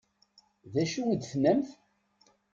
D acu i d-tennamt?